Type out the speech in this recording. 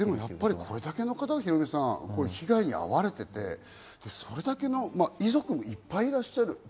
これだけの方が被害に遭われていて、それだけの遺族もいっぱいいらっしゃいます。